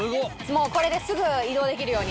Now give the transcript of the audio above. もうこれですぐ移動できるように。